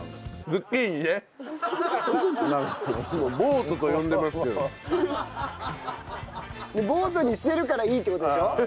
ボートにしてるからいいって事でしょ？